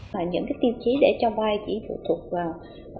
và những cái tiêu chí để cho vay chỉ phụ thuộc vào